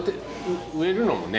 植えるのもね